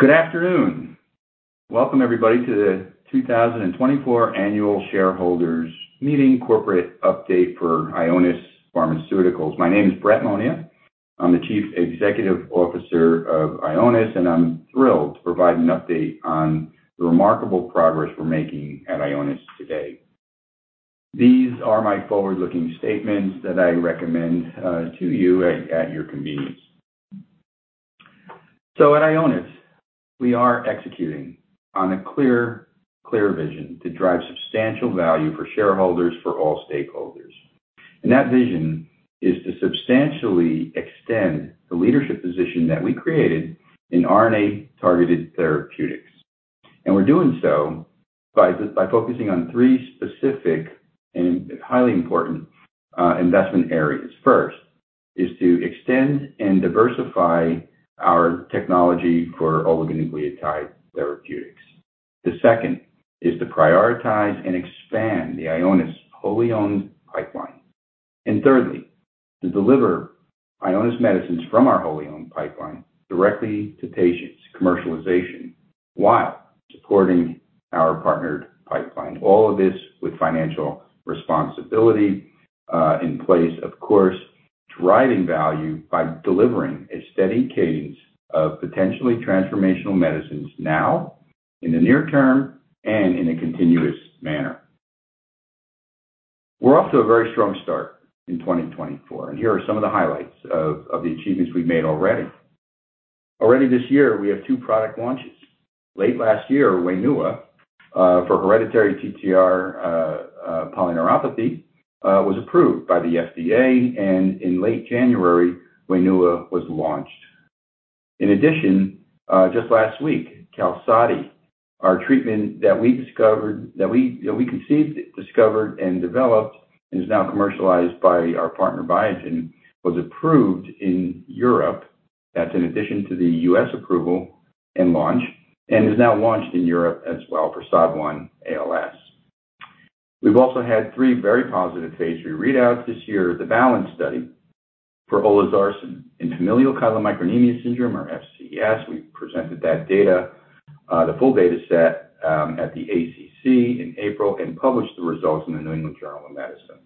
Good afternoon. Welcome, everybody, to the 2024 Annual Shareholders Meeting Corporate Update for Ionis Pharmaceuticals. My name is Brett Monia. I'm the Chief Executive Officer of Ionis, and I'm thrilled to provide an update on the remarkable progress we're making at Ionis today. These are my forward-looking statements that I recommend to you at your convenience. So at Ionis, we are executing on a clear vision to drive substantial value for shareholders, for all stakeholders. That vision is to substantially extend the leadership position that we created in RNA-targeted therapeutics. We're doing so by focusing on three specific and highly important investment areas. First, is to extend and diversify our technology for oligonucleotide therapeutics. The second is to prioritize and expand the Ionis wholly-owned pipeline. And thirdly, to deliver Ionis medicines from our wholly-owned pipeline directly to patients, commercialization, while supporting our partnered pipeline. All of this with financial responsibility in place, of course, driving value by delivering a steady cadence of potentially transformational medicines now, in the near term, and in a continuous manner. We're off to a very strong start in 2024, and here are some of the highlights of the achievements we've made already. Already this year, we have two product launches. Late last year, WAINUA for hereditary TTR polyneuropathy was approved by the FDA, and in late January, WAINUA was launched. In addition, just last week, QALSODY, our treatment that we discovered, that we conceived, discovered, and developed, and is now commercialized by our partner, Biogen, was approved in Europe. That's in addition to the U.S. approval and launch, and is now launched in Europe as well for SOD1 ALS. We've also had 3 very positive phase 3 readouts this year: the BALANCE study for olezarsen in familial chylomicronemia syndrome or FCS. We presented that data, the full dataset, at the ACC in April and published the results in the New England Journal of Medicine.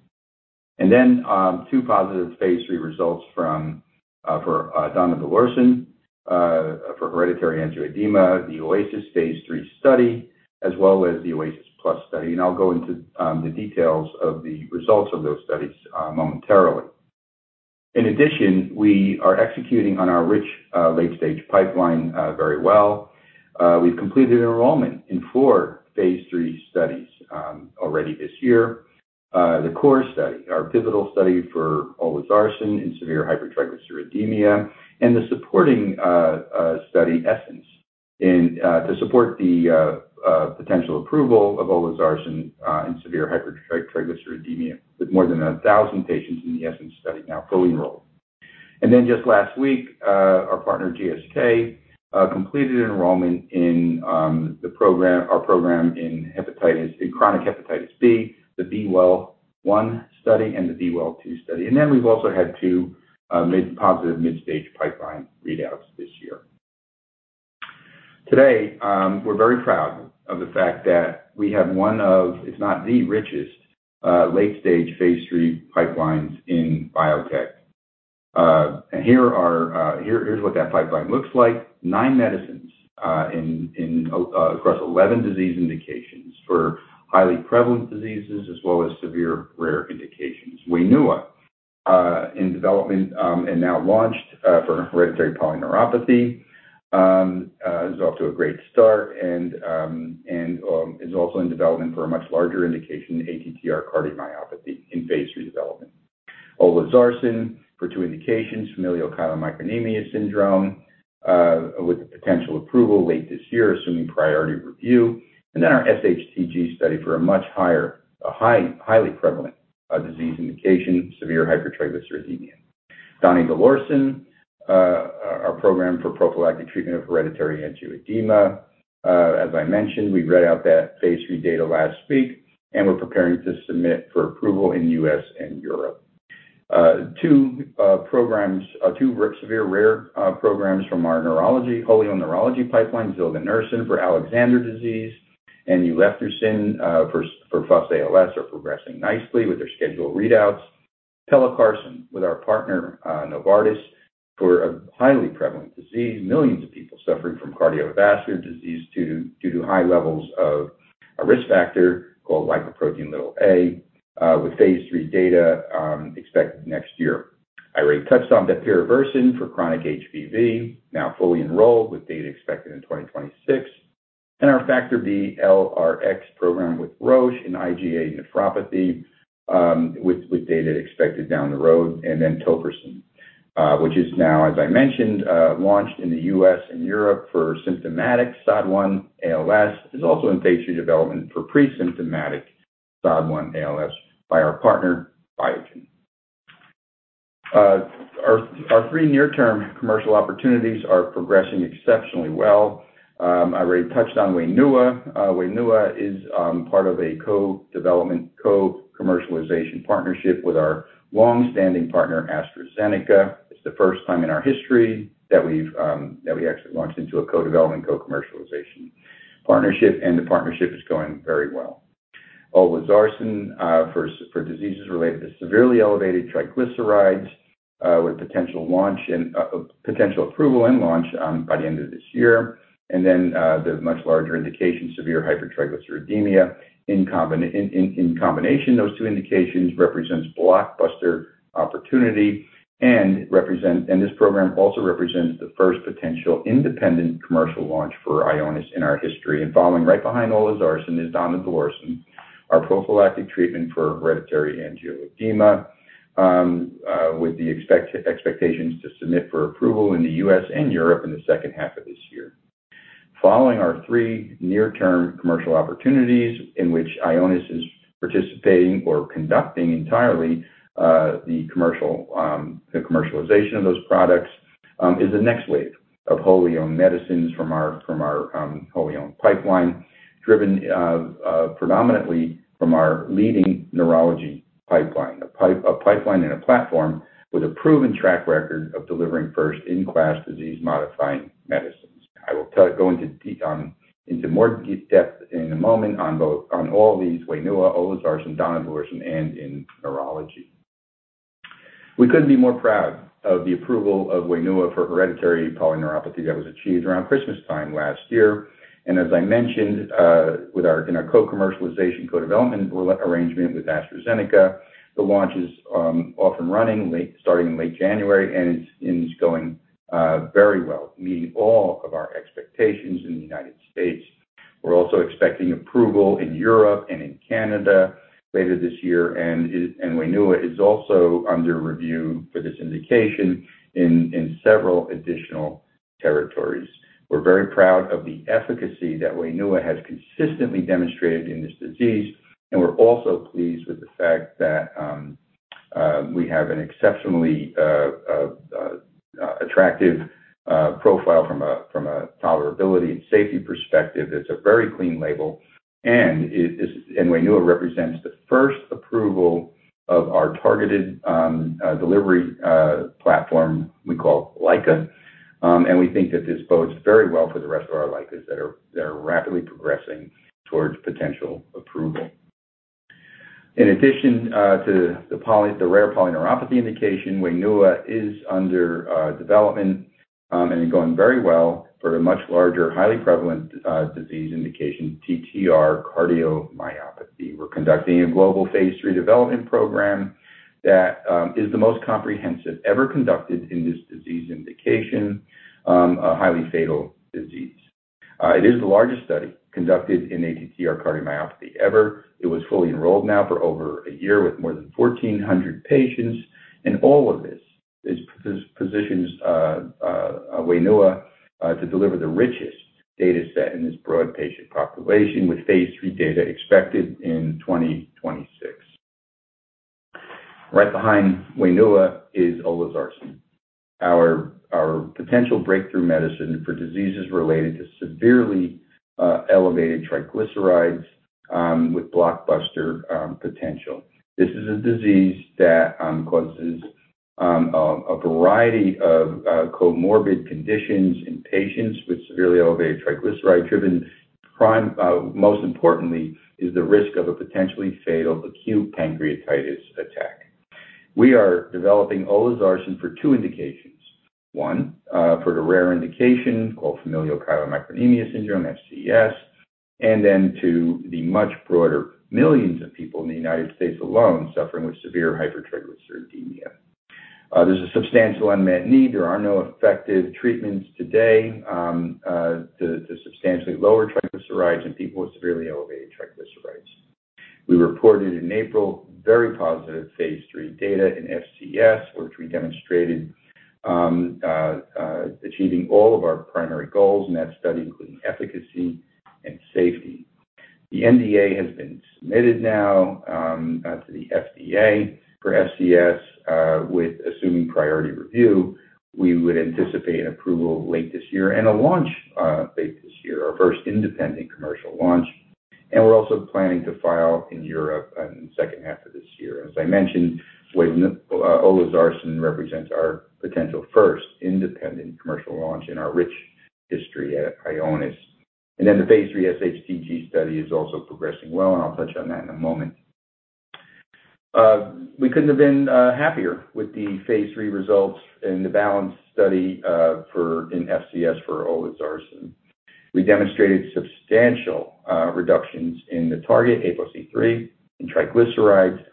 And then, two positive phase 3 results from, for donidalorsen, for hereditary angioedema, the OASIS phase 3 study, as well as the OASIS-Plus study. And I'll go into, the details of the results of those studies, momentarily. In addition, we are executing on our rich, late-stage pipeline, very well. We've completed enrollment in 4 phase 3 studies, already this year. The CORE study, our pivotal study for olezarsen in severe hypertriglyceridemia, and the supporting study ESSENCE, to support the potential approval of olezarsen in severe hypertriglyceridemia, with more than 1,000 patients in the ESSENCE study now fully enrolled. And then just last week, our partner, GSK, completed enrollment in the program, our program in hepatitis, in chronic hepatitis B, the B-Well 1 study and the B-Well 2 study. And then we've also had 2 positive mid-stage pipeline readouts this year. Today, we're very proud of the fact that we have one of, if not the richest, late-stage phase 3 pipelines in biotech. And here's what that pipeline looks like. Nine medicines in across 11 disease indications for highly prevalent diseases as well as severe rare indications. WAINUA in development and now launched for hereditary polyneuropathy is off to a great start and is also in development for a much larger indication, ATTR cardiomyopathy, in phase 3 development. olezarsen for 2 indications, familial chylomicronemia syndrome with the potential approval late this year, assuming priority review. Then our SHTG study for a much higher, highly prevalent disease indication, severe hypertriglyceridemia. donidalorsen our program for prophylactic treatment of hereditary angioedema. As I mentioned, we read out that phase 3 data last week, and we're preparing to submit for approval in the U.S. and Europe. Two severe rare programs from our neurology, wholly-owned neurology pipeline, zilganersen for Alexander disease, and Nuvtamsein for FUS ALS, are progressing nicely with their scheduled readouts. Pelacarsen, with our partner, Novartis, for a highly prevalent disease, millions of people suffering from cardiovascular disease due to high levels of a risk factor called lipoprotein(a), with phase 3 data expected next year. I already touched on that bepirovirsen for chronic HBV, now fully enrolled, with data expected in 2026. Our Factor B-LRx program with Roche in IgA nephropathy, with data expected down the road. Then tofersen, which is now, as I mentioned, launched in the U.S. and Europe for symptomatic SOD1 ALS, is also in phase 3 development for presymptomatic SOD1 ALS by our partner, Biogen. Our three near-term commercial opportunities are progressing exceptionally well. I already touched on WAINUA. WAINUA is part of a co-development, co-commercialization partnership with our long-standing partner, AstraZeneca. It's the first time in our history that we've actually launched into a co-development, co-commercialization partnership, and the partnership is going very well. Olezarsen for diseases related to severely elevated triglycerides, with potential launch and potential approval and launch, by the end of this year. And then, the much larger indication, severe hypertriglyceridemia. In combination, those two indications represents blockbuster opportunity and this program also represents the first potential independent commercial launch for Ionis in our history. Following right behind olezarsen is donidalorsen, our prophylactic treatment for hereditary angioedema, with the expectations to submit for approval in the US and Europe in the second half of this year. Following our 3 near-term commercial opportunities in which Ionis is participating or conducting entirely the commercialization of those products, is the next wave of wholly owned medicines from our wholly owned pipeline, driven predominantly from our leading neurology pipeline. A pipeline and a platform with a proven track record of delivering first-in-class disease-modifying medicines. I will go into more depth in a moment on all these, WAINUA, olezarsen, donidalorsen, and in neurology. We couldn't be more proud of the approval of WAINUA for hereditary polyneuropathy that was achieved around Christmas time last year. And as I mentioned, with our co-commercialization, co-development arrangement with AstraZeneca, the launch is off and running, starting in late January, and it's going very well, meeting all of our expectations in the United States. We're also expecting approval in Europe and in Canada later this year, and WAINUA is also under review for this indication in several additional territories. We're very proud of the efficacy that WAINUA has consistently demonstrated in this disease, and we're also pleased with the fact that we have an exceptionally attractive profile from a tolerability and safety perspective. It's a very clean label, and it is. WAINUA represents the first approval of our targeted delivery platform we call LICA. And we think that this bodes very well for the rest of our LICAs that are rapidly progressing towards potential approval. In addition to the poly, the rare polyneuropathy indication, WAINUA is under development and going very well for a much larger, highly prevalent disease indication, TTR cardiomyopathy. We're conducting a global phase 3 development program that is the most comprehensive ever conducted in this disease indication, a highly fatal disease. It is the largest study conducted in ATTR cardiomyopathy ever. It was fully enrolled now for over a year, with more than 1,400 patients, and all of this positions WAINUA to deliver the richest data set in this broad patient population, with phase 3 data expected in 2026. Right behind WAINUA is Olezarsen, our potential breakthrough medicine for diseases related to severely elevated triglycerides, with blockbuster potential. This is a disease that causes a variety of comorbid conditions in patients with severely elevated triglyceride-driven pancreatitis. Most importantly is the risk of a potentially fatal acute pancreatitis attack. We are developing Olezarsen for two indications. One, for the rare indication called familial chylomicronemia syndrome, FCS, and then to the much broader millions of people in the United States alone suffering with severe hypertriglyceridemia. There's a substantial unmet need. There are no effective treatments today to substantially lower triglycerides in people with severely elevated triglycerides. We reported in April very positive phase 3 data in FCS, which we demonstrated achieving all of our primary goals in that study, including efficacy and safety. The NDA has been submitted now, to the FDA for FCS, with assuming priority review, we would anticipate an approval late this year and a launch, late this year, our first independent commercial launch. We're also planning to file in Europe in the second half of this year. As I mentioned, WAINUA, olezarsen represents our potential first independent commercial launch in our rich history at Ionis. Then the Phase 3 SHTG study is also progressing well, and I'll touch on that in a moment. We couldn't have been, happier with the Phase 3 results and the BALANCE study, for in FCS for olezarsen. We demonstrated substantial reductions in the target, apoC-III, in triglycerides,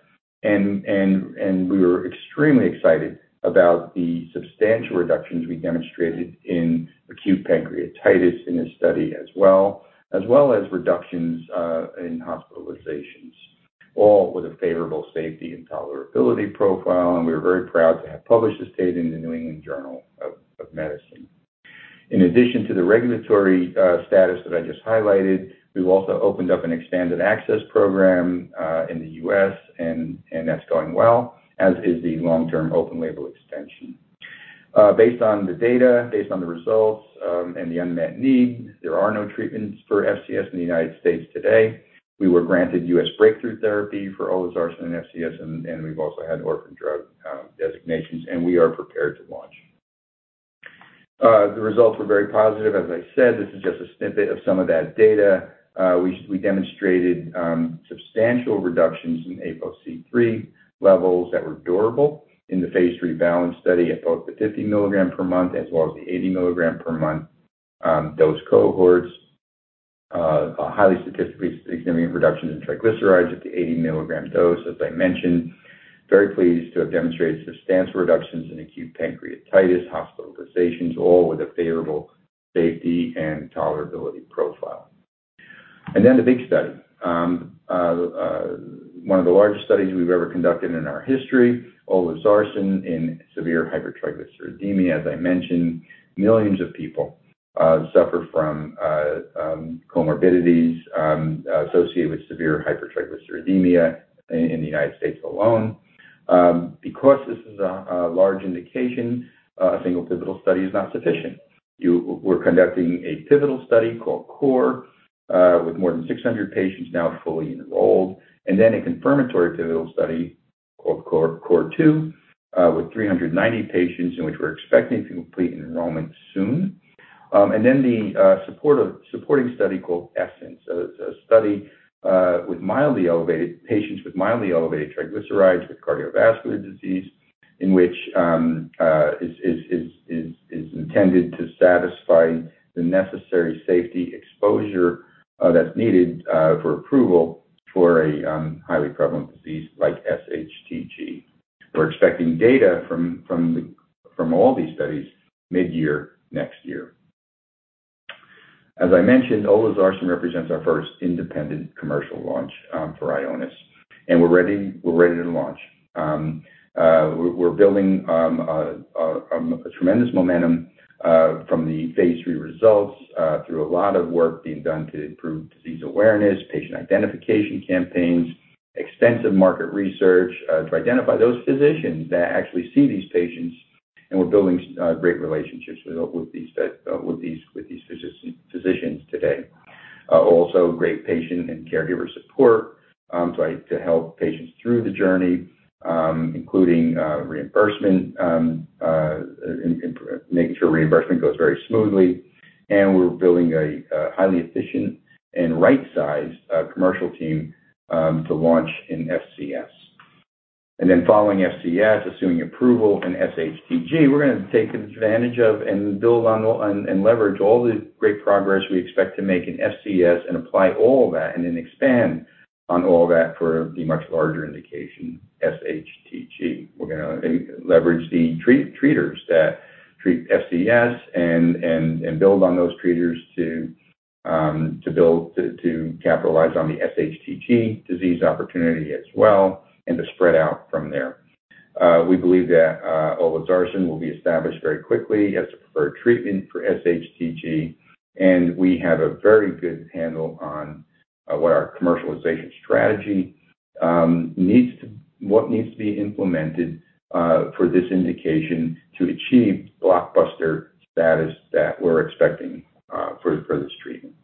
and we were extremely excited about the substantial reductions we demonstrated in acute pancreatitis in this study as well as reductions in hospitalizations, all with a favorable safety and tolerability profile, and we were very proud to have published this data in the New England Journal of Medicine. In addition to the regulatory status that I just highlighted, we've also opened up an expanded access program in the U.S., and that's going well, as is the long-term open label extension. Based on the data, based on the results, and the unmet need, there are no treatments for FCS in the United States today. We were granted U.S. breakthrough therapy for olezarsen and FCS, and we've also had orphan drug designations, and we are prepared to launch. The results were very positive. As I said, this is just a snippet of some of that data. We demonstrated substantial reductions in apoC-III levels that were durable in the phase 3 BALANCE study at both the 50 milligram per month as well as the 80 milligram per month dose cohorts. A highly statistically significant reduction in triglycerides at the 80 milligram dose, as I mentioned. Very pleased to have demonstrated substantial reductions in acute pancreatitis, hospitalizations, all with a favorable safety and tolerability profile. Then the big study. One of the largest studies we've ever conducted in our history, olezarsen, in severe hypertriglyceridemia. As I mentioned, millions of people suffer from comorbidities associated with severe hypertriglyceridemia in the United States alone. Because this is a large indication, a single pivotal study is not sufficient. We're conducting a pivotal study called CORE, with more than 600 patients now fully enrolled, and then a confirmatory pivotal study called CORE, CORE2, with 390 patients, in which we're expecting to complete enrollment soon. And then a supporting study called ESSENCE, a study with patients with mildly elevated triglycerides, with cardiovascular disease, in which is intended to satisfy the necessary safety exposure that's needed for approval for a highly prevalent disease like SHTG. We're expecting data from all these studies mid-year next year. As I mentioned, olezarsen represents our first independent commercial launch for Ionis, and we're ready to launch. We're building a tremendous momentum from the phase 3 results through a lot of work being done to improve disease awareness, patient identification campaigns, extensive market research to identify those physicians that actually see these patients, and we're building great relationships with these physicians today. Also great patient and caregiver support to help patients through the journey, including reimbursement and making sure reimbursement goes very smoothly. We're building a highly efficient and right-sized commercial team to launch in FCS. And then following FCS, assuming approval in SHTG, we're gonna take advantage of and build on and leverage all the great progress we expect to make in FCS and apply all of that and then expand on all that for the much larger indication, SHTG. We're gonna leverage the treaters that treat FCS and build on those treaters to build to capitalize on the SHTG disease opportunity as well, and to spread out from there. We believe that olezarsen will be established very quickly as a preferred treatment for SHTG, and we have a very good handle on what our commercialization strategy needs to be implemented for this indication to achieve blockbuster status that we're expecting for this treatment.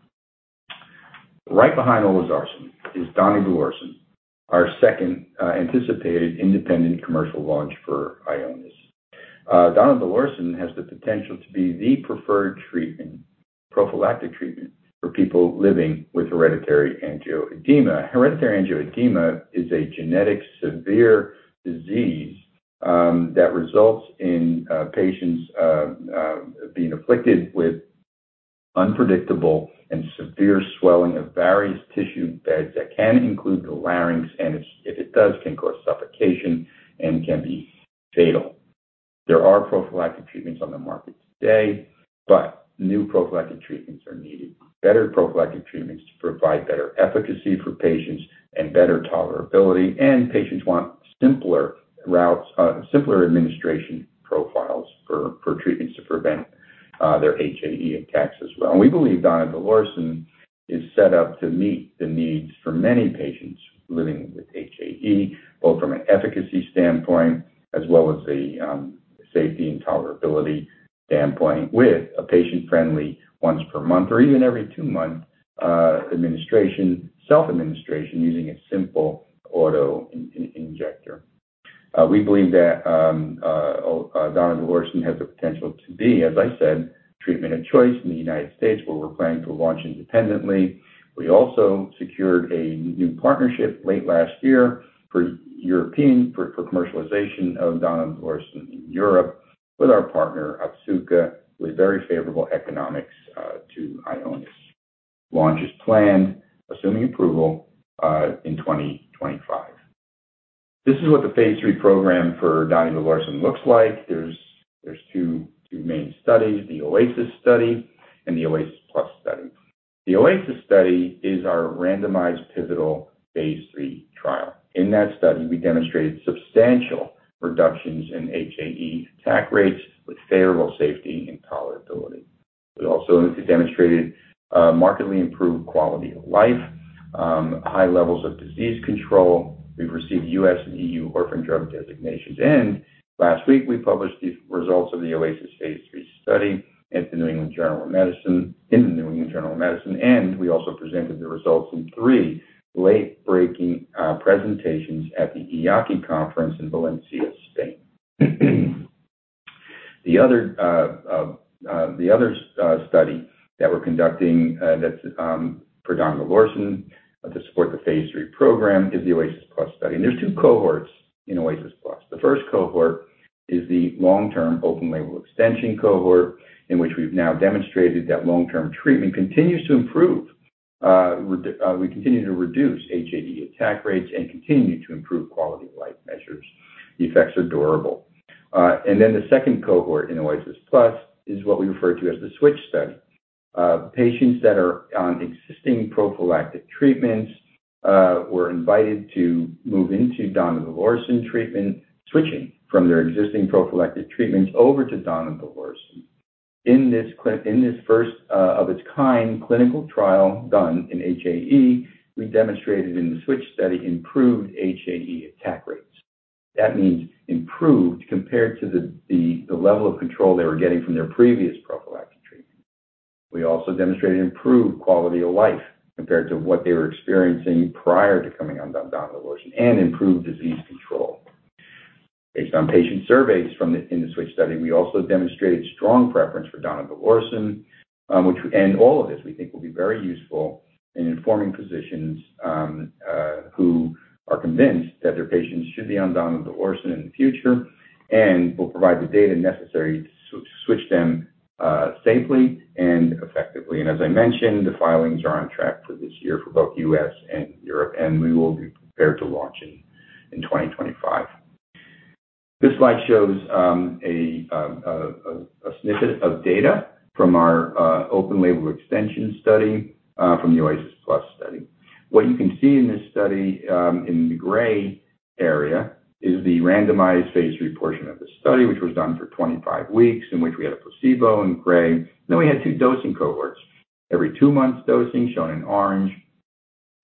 Right behind olezarsen is donidalorsen, our second anticipated independent commercial launch for Ionis. Donidalorsen has the potential to be the preferred treatment, prophylactic treatment for people living with hereditary angioedema. Hereditary angioedema is a genetic severe disease that results in patients being afflicted with unpredictable and severe swelling of various tissue beds that can include the larynx, and if it does, can cause suffocation and can be fatal. There are prophylactic treatments on the market today, but new prophylactic treatments are needed, better prophylactic treatments to provide better efficacy for patients and better tolerability, and patients want simpler routes, simpler administration profiles for treatments to prevent their HAE attacks as well. We believe donidalorsen is set up to meet the needs for many patients living with HAE, both from an efficacy standpoint as well as a safety and tolerability standpoint, with a patient-friendly once per month or even every two-month administration, self-administration, using a simple auto injector. We believe that donidalorsen has the potential to be, as I said, treatment of choice in the United States, where we're planning to launch independently. We also secured a new partnership late last year for European commercialization of donidalorsen in Europe with our partner, Otsuka, with very favorable economics to Ionis. Launch is planned, assuming approval, in 2025. This is what the phase 3 program for donidalorsen looks like. There's two main studies, the OASIS study and the OASIS-Plus study. The OASIS study is our randomized pivotal phase 3 trial. In that study, we demonstrated substantial reductions in HAE attack rates with favorable safety and tolerability. We also demonstrated markedly improved quality of life, high levels of disease control. We've received U.S. and EU orphan drug designations, and last week, we published the results of the OASIS phase 3 study at the New England Journal of Medicine, in the New England Journal of Medicine, and we also presented the results in three late-breaking presentations at the EAACI conference in Valencia, Spain. The other study that we're conducting, that's for donidalorsen to support the phase 3 program is the OASIS-plus study. And there's two cohorts in OASIS-plus. The first cohort is the long-term open label extension cohort, in which we've now demonstrated that long-term treatment continues to improve. We continue to reduce HAE attack rates and continue to improve quality of life measures. The effects are durable. And then the second cohort in OASIS-Plus is what we refer to as the switch study. Patients that are on existing prophylactic treatments were invited to move into donidalorsen treatment, switching from their existing prophylactic treatments over to donidalorsen. In this first, of its kind clinical trial done in HAE, we demonstrated in the switch study improved HAE attack rates. That means improved compared to the level of control they were getting from their previous prophylactic treatment. We also demonstrated improved quality of life compared to what they were experiencing prior to coming on donidalorsen, and improved disease control. Based on patient surveys from the, in the switch study, we also demonstrated strong preference for donidalorsen, which we... And all of this, we think, will be very useful in informing physicians who are convinced that their patients should be on donidalorsen in the future, and will provide the data necessary to switch them safely and effectively. And as I mentioned, the filings are on track for this year for both U.S. and Europe, and we will be prepared to launch in 2025. This slide shows a snippet of data from our open-label extension study from the OASIS-Plus study. What you can see in this study, in the gray area, is the randomized phase 3 portion of the study, which was done for 25 weeks, in which we had a placebo in gray. Then we had 2 dosing cohorts, every 2 months, dosing shown in orange,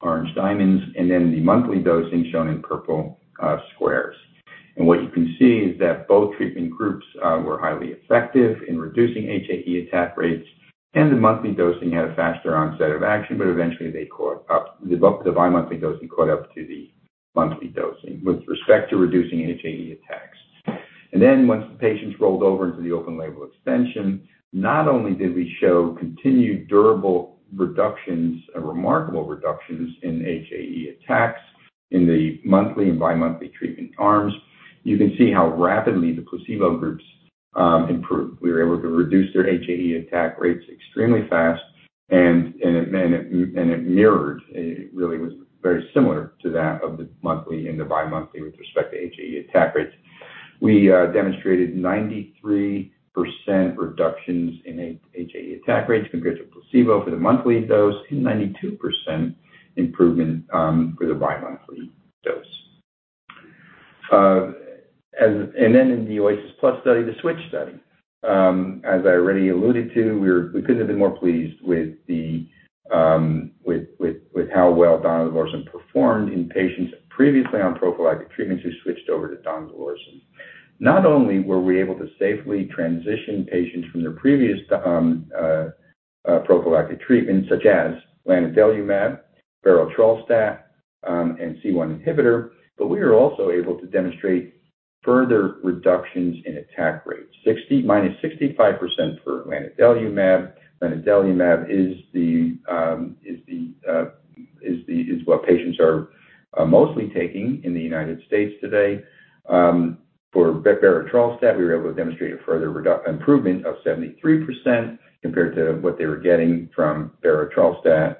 orange diamonds, and then the monthly dosing shown in purple, squares. What you can see is that both treatment groups were highly effective in reducing HAE attack rates, and the monthly dosing had a faster onset of action, but eventually they caught up. The bi-monthly dosing caught up to the monthly dosing with respect to reducing HAE attacks. Then once the patients rolled over into the open label extension, not only did we show continued durable reductions, remarkable reductions in HAE attacks in the monthly and bi-monthly treatment arms, you can see how rapidly the placebo groups improved. We were able to reduce their HAE attack rates extremely fast, and it mirrored, it really was very similar to that of the monthly and the bi-monthly with respect to HAE attack rates. We demonstrated 93% reductions in HAE attack rates compared to placebo for the monthly dose, and 92% improvement for the bi-monthly dose. As... And then in the OASIS-Plus study, the switch study, as I already alluded to, we couldn't have been more pleased with how well donidalorsen performed in patients previously on prophylactic treatments who switched over to donidalorsen. Not only were we able to safely transition patients from their previous prophylactic treatments such as lanadelumab, berotralstat, and C1 inhibitor, but we were also able to demonstrate further reductions in attack rates, 60-65% for lanadelumab. Lanadelumab is what patients are mostly taking in the United States today. For berotralstat, we were able to demonstrate a further improvement of 73% compared to what they were getting from berotralstat,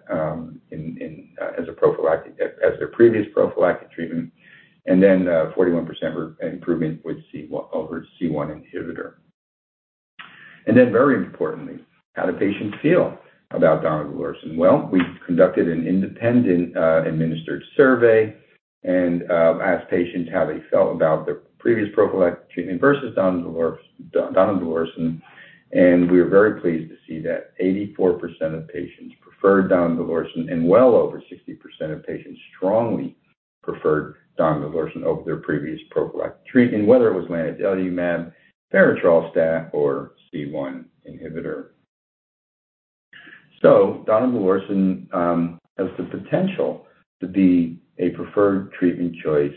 as a prophylactic, as their previous prophylactic treatment, and then, 41% for improvement with C1, over C1 inhibitor. And then, very importantly, how do patients feel about donidalorsen? Well, we conducted an independent, administered survey and asked patients how they felt about their previous prophylactic treatment versus donidalorsen, and we were very pleased to see that 84% of patients preferred donidalorsen, and well over 60% of patients strongly preferred donidalorsen over their previous prophylactic treatment, whether it was lanadelumab, berotralstat, or C1 inhibitor. So donidalorsen has the potential to be a preferred treatment choice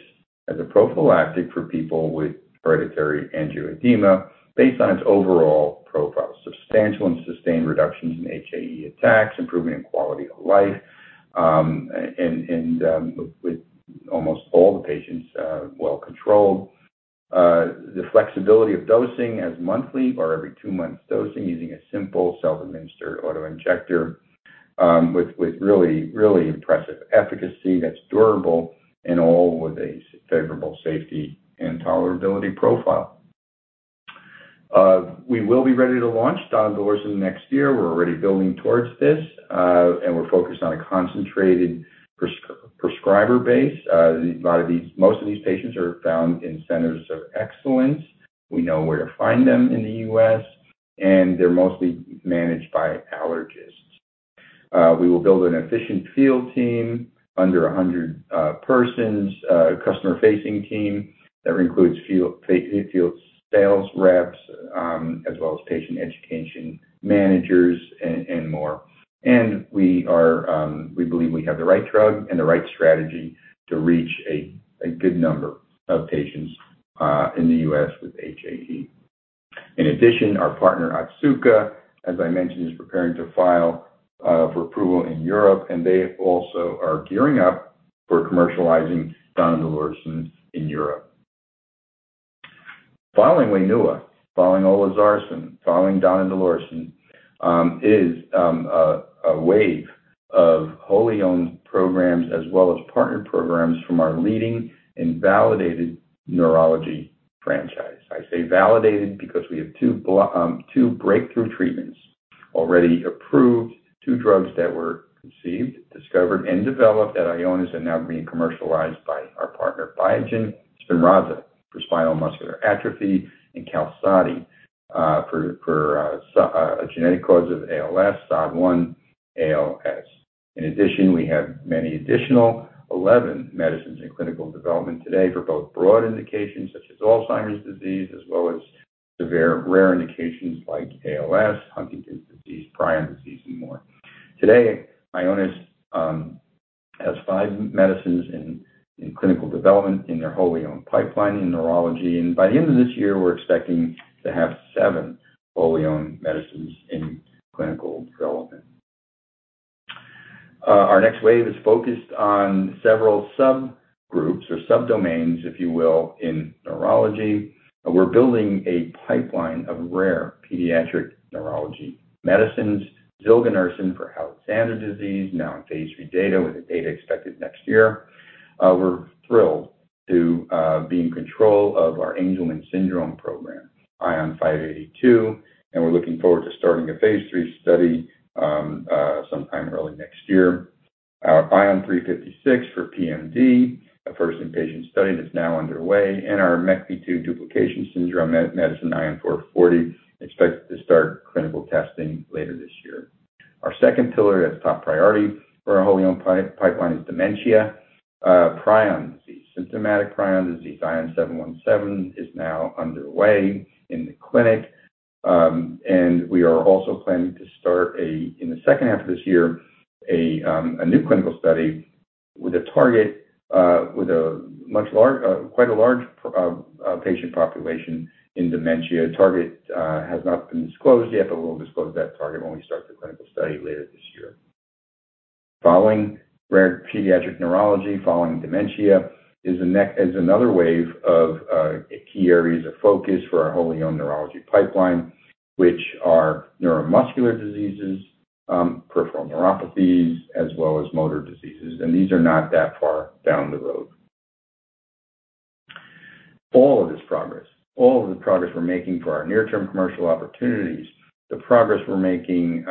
as a prophylactic for people with hereditary angioedema based on its overall profile. Substantial and sustained reductions in HAE attacks, improvement in quality of life, and with almost all the patients well controlled. The flexibility of dosing as monthly or every two months dosing using a simple self-administered auto-injector, with really, really impressive efficacy that's durable and all with a favorable safety and tolerability profile. We will be ready to launch donidalorsen next year. We're already building towards this, and we're focused on a concentrated prescriber base. A lot of these... Most of these patients are found in centers of excellence. We know where to find them in the U.S., and they're mostly managed by allergists. We will build an efficient field team, under 100 persons, customer-facing team. That includes field sales reps, as well as patient education managers and more. We are, we believe we have the right drug and the right strategy to reach a good number of patients in the US with HAE. In addition, our partner Otsuka, as I mentioned, is preparing to file for approval in Europe, and they also are gearing up for commercializing donidalorsen in Europe. Following WAINUA, following olezarsen, following donidalorsen, is a wave of wholly owned programs as well as partnered programs from our leading and validated neurology franchise. I say validated because we have two breakthrough treatments already approved, two drugs that were conceived, discovered, and developed at Ionis, and now being commercialized by our partner, Biogen, SPINRAZA, for spinal muscular atrophy, and QALSODY, for a genetic cause of ALS, SOD1 ALS. In addition, we have many additional 11 medicines in clinical development today for both broad indications such as Alzheimer's disease, as well as severe rare indications like ALS, Huntington's disease, prion disease, and more. Today, Ionis has 5 medicines in clinical development in their wholly owned pipeline in neurology, and by the end of this year, we're expecting to have 7 wholly owned medicines in clinical development. Our next wave is focused on several subgroups or subdomains, if you will, in neurology. We're building a pipeline of rare pediatric neurology medicines, Zilganersen for Alexander disease, now in phase 3, with the data expected next year. We're thrilled to be in control of our Angelman syndrome program, ION 582, and we're looking forward to starting a phase 3 study sometime early next year. Our ION356 for PMD, a first in-patient study that's now underway, and our MECP2 duplication syndrome medicine, ION440, expected to start clinical testing later this year. Our second pillar that's top priority for our wholly owned pipeline is dementia, prion disease. Symptomatic prion disease, ION717, is now underway in the clinic, and we are also planning to start in the second half of this year a new clinical study with a target with a much larger, quite a large patient population in dementia. Target has not been disclosed yet, but we'll disclose that target when we start the clinical study later this year. Following rare pediatric neurology, following dementia, is the next... Is another wave of key areas of focus for our wholly owned neurology pipeline, which are neuromuscular diseases, peripheral neuropathies, as well as motor diseases, and these are not that far down the road. All of this progress, all of the progress we're making for our near-term commercial opportunities, the progress we're making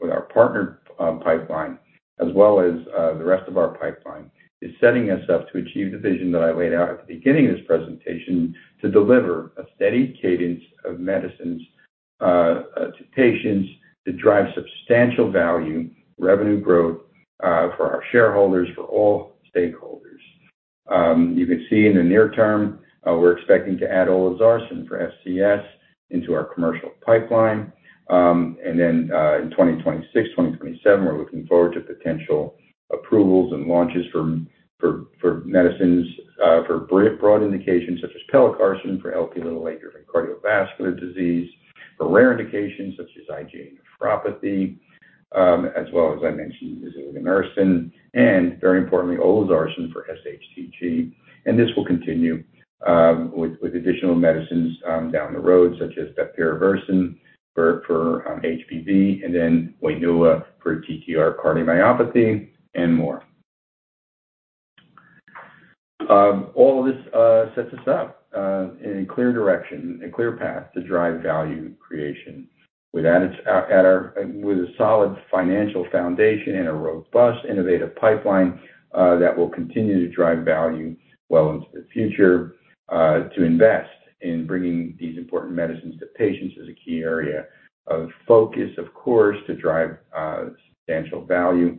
with our partner pipeline, as well as the rest of our pipeline, is setting us up to achieve the vision that I laid out at the beginning of this presentation to deliver a steady cadence of medicines to patients to drive substantial value, revenue growth for our shareholders, for all stakeholders. You can see in the near term, we're expecting to add olezarsen for FCS into our commercial pipeline. And then, in 2026, 2027, we're looking forward to potential approvals and launches for medicines for broad indications such as pelacarsen for Lp(a) and cardiovascular disease, for rare indications such as IgA nephropathy, as well as I mentioned, zilganersen, and very importantly, olezarsen for SHTG. And this will continue with additional medicines down the road, such as bepirovirsen for HBV, and then WAINUA for TTR cardiomyopathy and more. All of this sets us up in a clear direction, a clear path to drive value creation. With a solid financial foundation and a robust, innovative pipeline, that will continue to drive value well into the future, to invest in bringing these important medicines to patients is a key area of focus, of course, to drive substantial value,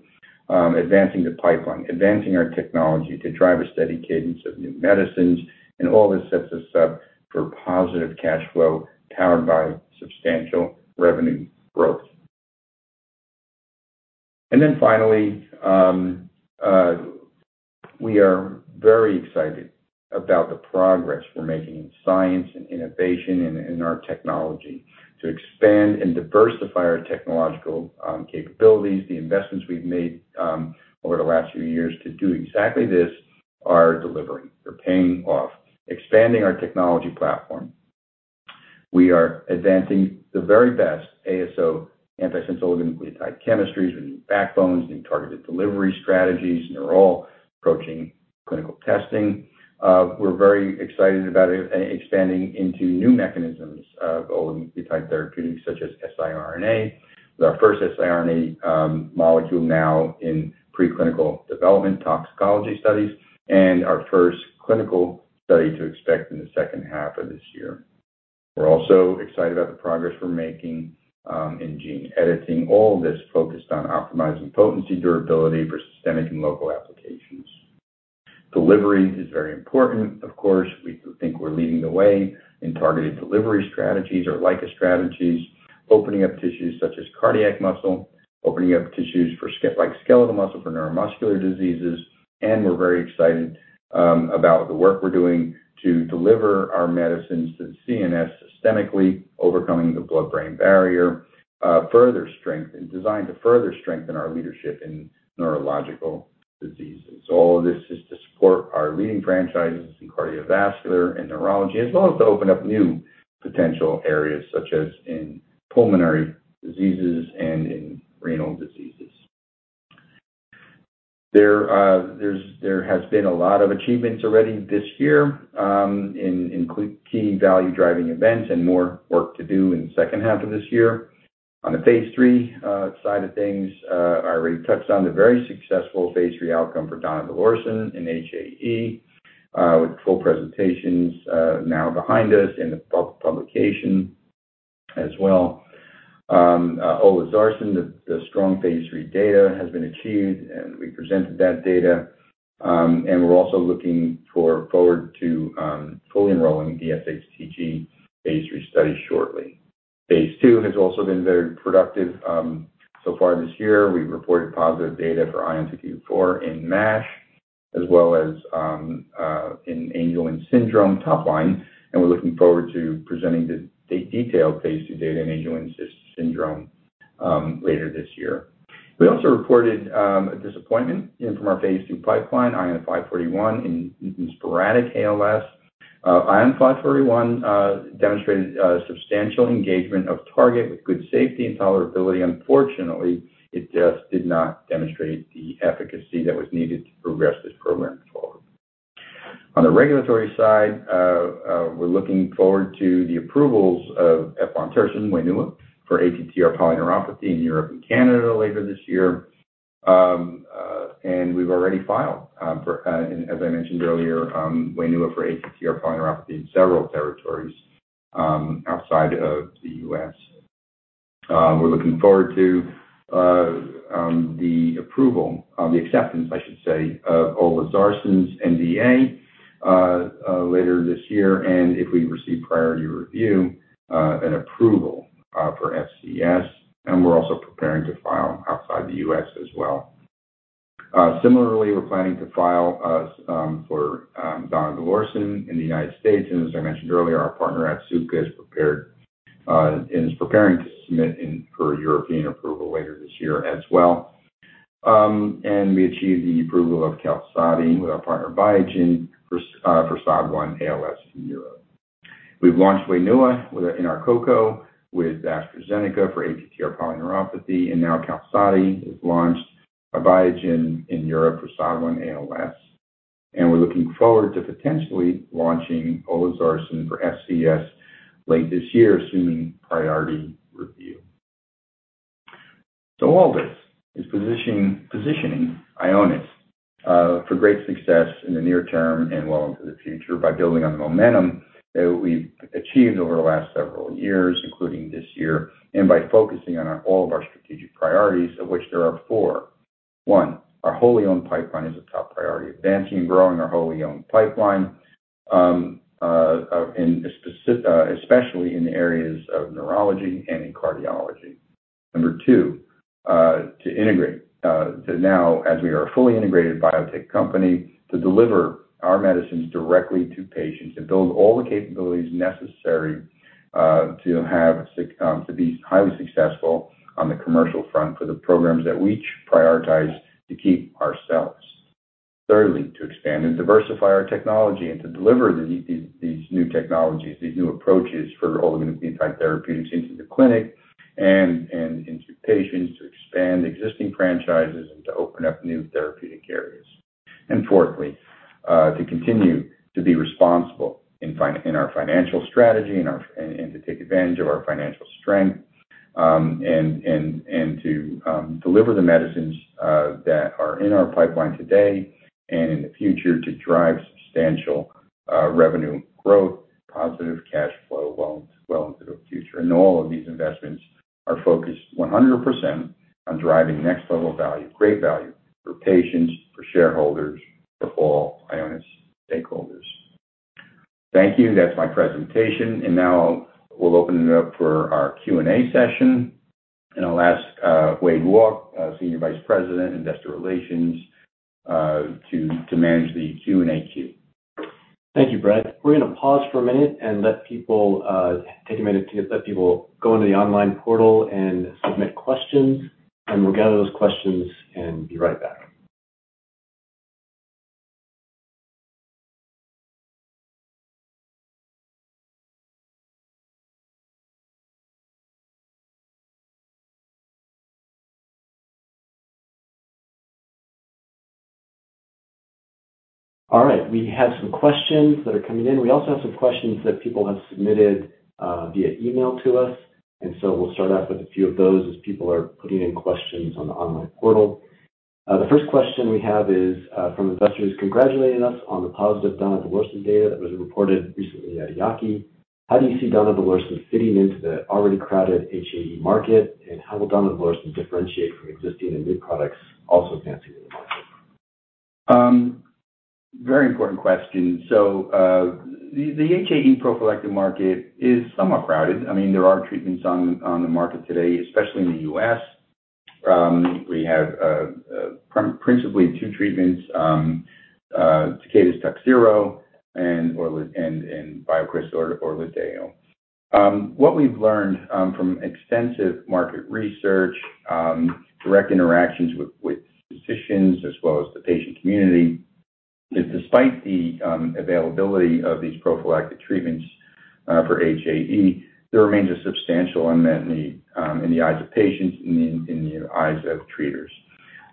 advancing the pipeline, advancing our technology to drive a steady cadence of new medicines, and all this sets us up for positive cash flow, powered by substantial revenue growth. And then finally, we are very excited about the progress we're making in science and innovation and in our technology to expand and diversify our technological capabilities. The investments we've made over the last few years to do exactly this are delivering. They're paying off, expanding our technology platform. We are advancing the very best ASO, antisense oligonucleotide chemistries, with new backbones, new targeted delivery strategies, and they're all approaching clinical testing. We're very excited about expanding into new mechanisms of oligonucleotide therapeutics, such as siRNA. With our first siRNA molecule now in preclinical development, toxicology studies, and our first clinical study to expect in the second half of this year. We're also excited about the progress we're making in gene editing. All this focused on optimizing potency, durability for systemic and local applications. Delivery is very important, of course. We think we're leading the way in targeted delivery strategies or LICA strategies, opening up tissues such as cardiac muscle, opening up tissues like skeletal muscle for neuromuscular diseases. We're very excited about the work we're doing to deliver our medicines to the CNS systemically, overcoming the blood-brain barrier, and designed to further strengthen our leadership in neurological diseases. All of this is to support our leading franchises in cardiovascular and neurology, as well as to open up new potential areas such as in pulmonary diseases and in renal diseases. There has been a lot of achievements already this year in key value-driving events and more work to do in the second half of this year. On the phase 3 side of things, I already touched on the very successful phase 3 outcome for donidalorsen in HAE, with full presentations now behind us in the publication as well. Olezarsen, the strong phase three data has been achieved, and we presented that data. And we're also looking forward to fully enrolling the SHTG phase three study shortly. Phase two has also been very productive. So far this year, we've reported positive data for ION224 in MASH, as well as in Angelman syndrome, top line, and we're looking forward to presenting the detailed phase two data in Angelman syndrome later this year. We also reported a disappointment from our phase two pipeline, ION541, in sporadic ALS. ION541 demonstrated substantial engagement of target with good safety and tolerability. Unfortunately, it just did not demonstrate the efficacy that was needed to progress this program forward. On the regulatory side, we're looking forward to the approvals of eplontersen, WAINUA, for ATTR polyneuropathy in Europe and Canada later this year. We've already filed and as I mentioned earlier, WAINUA for ATTR polyneuropathy in several territories outside of the U.S. We're looking forward to the acceptance, I should say, of olezarsen's NDA later this year, and if we receive priority review, an approval for FCS, and we're also preparing to file outside the U.S. as well. Similarly, we're planning to file for donidalorsen in the United States. And as I mentioned earlier, our partner Otsuka is prepared and is preparing to submit for European approval later this year as well. And we achieved the approval of QALSODY with our partner Biogen for SOD1-ALS in Europe. We've launched WAINUA with our, in our co-co, with AstraZeneca for ATTR polyneuropathy, and now QALSODY is launched by Biogen in Europe for SOD1-ALS. And we're looking forward to potentially launching olezarsen for FCS late this year, assuming priority review. So all this is positioning, positioning Ionis, for great success in the near term and well into the future by building on the momentum that we've achieved over the last several years, including this year, and by focusing on our, all of our strategic priorities, of which there are four. One, our wholly owned pipeline is a top priority, advancing and growing our wholly owned pipeline, especially in the areas of neurology and in cardiology. Number two, to integrate and now, as we are a fully integrated biotech company, to deliver our medicines directly to patients and build all the capabilities necessary to be highly successful on the commercial front for the programs that we each prioritize to keep ourselves. Thirdly, to expand and diversify our technology and to deliver these new technologies, these new approaches for oligonucleotide therapeutics into the clinic and into patients, to expand existing franchises and to open up new therapeutic areas. And fourthly, to continue to be responsible in our financial strategy and to take advantage of our financial strength and to deliver the medicines that are in our pipeline today and in the future to drive substantial revenue growth, positive cash flow well into the future. All of these investments are focused 100% on driving next-level value, great value, for patients, for shareholders, for all Ionis stakeholders. Thank you. That's my presentation. And now we'll open it up for our Q&A session. And I'll ask, Wade Walke, Senior Vice President, Investor Relations, to manage the Q&A queue. Thank you, Brett. We're gonna pause for a minute and let people take a minute to let people go into the online portal and submit questions, and we'll gather those questions and be right back. All right, we have some questions that are coming in. We also have some questions that people have submitted via email to us, and so we'll start off with a few of those as people are putting in questions on the online portal. The first question we have is from investors congratulating us on the positive donidalorsen data that was reported recently at EAACI. How do you see donidalorsen fitting into the already crowded HAE market, and how will donidalorsen differentiate from existing and new products also advancing in this space?... Very important question. So, the HAE prophylactic market is somewhat crowded. I mean, there are treatments on the market today, especially in the U.S. We have principally two treatments, Takeda's Takhzyro and BioCryst's Orladeyo. What we've learned from extensive market research, direct interactions with physicians as well as the patient community, is despite the availability of these prophylactic treatments for HAE, there remains a substantial unmet need in the eyes of patients, in the eyes of treaters.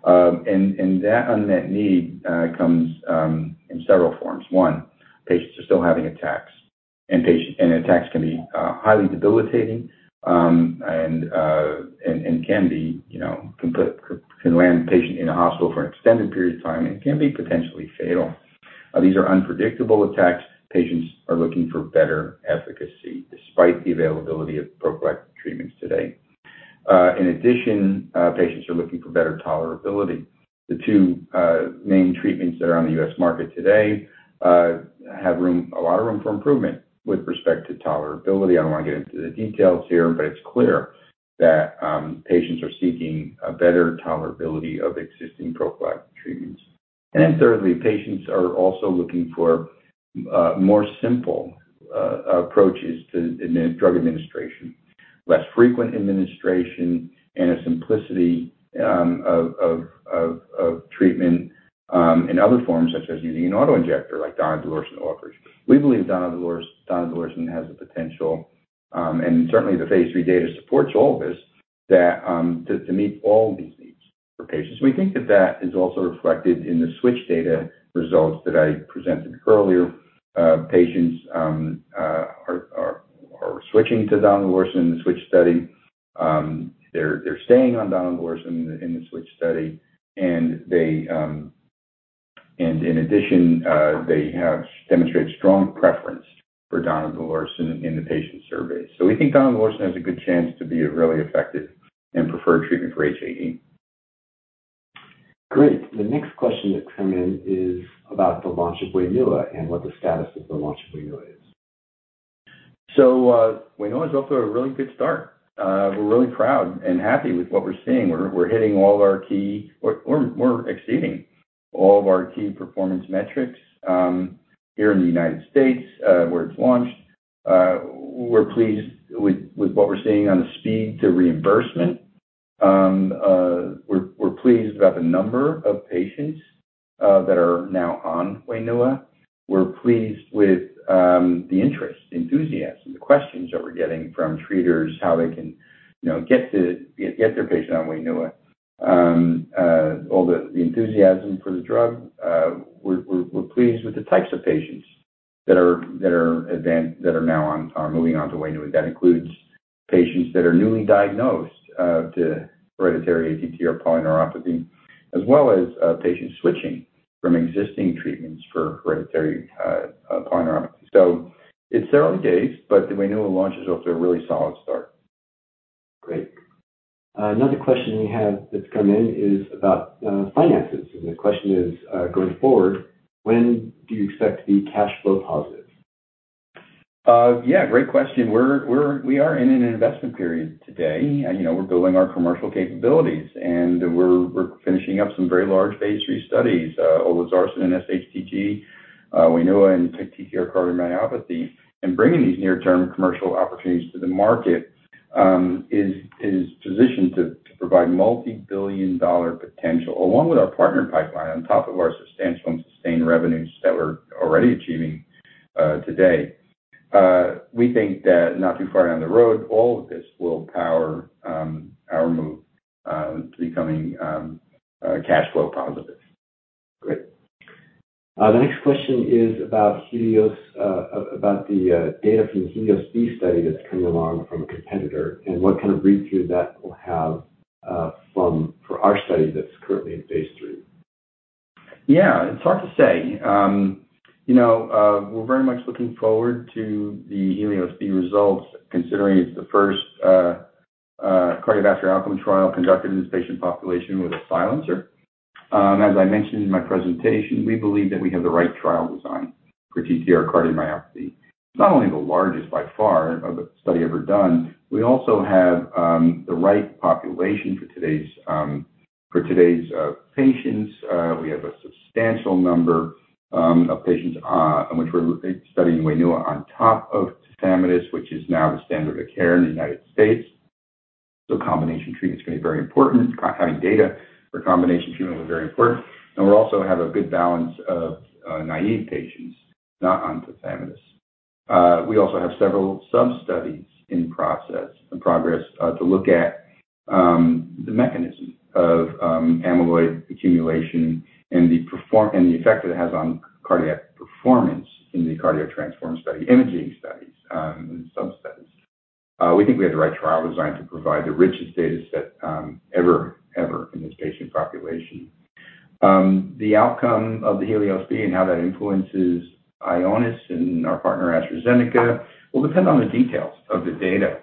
And that unmet need comes in several forms. One, patients are still having attacks, and patients and attacks can be highly debilitating, and can be, you know, can land a patient in a hospital for an extended period of time and can be potentially fatal. These are unpredictable attacks. Patients are looking for better efficacy despite the availability of prophylactic treatments today. In addition, patients are looking for better tolerability. The two main treatments that are on the U.S. market today have room, a lot of room for improvement with respect to tolerability. I don't wanna get into the details here, but it's clear that patients are seeking a better tolerability of existing prophylactic treatments. And then thirdly, patients are also looking for more simple approaches to drug administration, less frequent administration, and a simplicity of treatment in other forms, such as using an auto-injector like donidalorsen offers. We believe donidalorsen has the potential, and certainly the phase 3 data supports all this to meet all these needs for patients. We think that that is also reflected in the switch data results that I presented earlier. Patients are switching to donidalorsen in the switch study. They're staying on donidalorsen in the switch study, and in addition, they have demonstrated strong preference for donidalorsen in the patient survey. So we think donidalorsen has a good chance to be a really effective and preferred treatment for HAE. Great. The next question that came in is about the launch of WAINUA and what the status of the launch of WAINUA is. So, WAINUA is off to a really good start. We're really proud and happy with what we're seeing. We're exceeding all of our key performance metrics here in the United States, where it's launched. We're pleased with what we're seeing on the speed to reimbursement. We're pleased about the number of patients that are now on WAINUA. We're pleased with the interest, the enthusiasm, the questions that we're getting from treaters, how they can, you know, get their patient on WAINUA. All the enthusiasm for the drug. We're pleased with the types of patients that are now on, are moving on to WAINUA. That includes patients that are newly diagnosed to hereditary ATTR polyneuropathy, as well as patients switching from existing treatments for hereditary polyneuropathy. So it's early days, but the WAINUA launch is off to a really solid start. Great. Another question we have that's come in is about finances. The question is, going forward, when do you expect to be cash flow positive? Yeah, great question. We are in an investment period today, and, you know, we're building our commercial capabilities, and we're finishing up some very large phase three studies, olezarsen and SHTG, WAINUA and TTR cardiomyopathy. And bringing these near-term commercial opportunities to the market is positioned to provide multi-billion dollar potential, along with our partner pipeline, on top of our substantial and sustained revenues that we're already achieving today. We think that not too far down the road, all of this will power our move to becoming cash flow positive. Great. The next question is about HELIOS-B, about the data from the HELIOS-B study that's coming along from a competitor, and what kind of read through that will have, for our study that's currently in phase 3? Yeah, it's hard to say. You know, we're very much looking forward to the HELIOS-B results, considering it's the first cardiovascular outcome trial conducted in this patient population with a silencer. As I mentioned in my presentation, we believe that we have the right trial design for TTR cardiomyopathy. It's not only the largest, by far, of a study ever done, we also have the right population for today's patients. We have a substantial number of patients on which we're studying WAINUA on top of tafamidis, which is now the standard of care in the United States. So combination treatment is going to be very important. Having data for combination treatment is very important. We also have a good balance of naive patients not on tafamidis. We also have several sub-studies in process, in progress, to look at the mechanism of amyloid accumulation and the performance and the effect it has on cardiac performance in the CARDIO-TTRansform study, imaging studies, and sub-studies. We think we have the right trial design to provide the richest data set ever in this patient population. The outcome of the HELIOS-B and how that influences Ionis and our partner, AstraZeneca, will depend on the details of the data.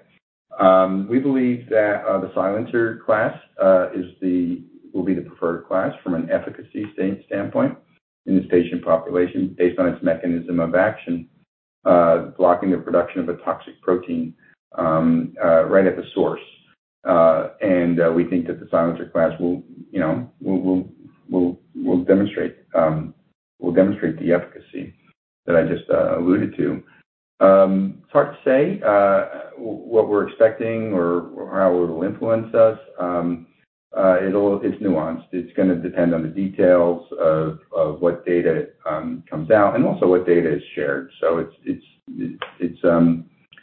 We believe that the silencer class will be the preferred class from an efficacy standpoint in this patient population based on its mechanism of action, blocking the production of a toxic protein right at the source. We think that the silencer class will, you know, demonstrate the efficacy that I just alluded to. It's hard to say what we're expecting or how it'll influence us. It's nuanced. It's going to depend on the details of what data comes out and also what data is shared. So